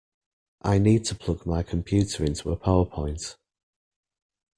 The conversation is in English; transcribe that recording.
I need to plug my computer into a power point